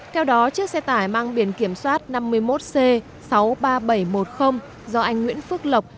theo đó chiếc xe tải mang biển kiểm soát năm mươi một c sáu mươi ba nghìn bảy trăm một mươi do anh nguyễn phước lộc